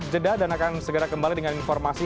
jeda dan akan segera kembali dengan informasi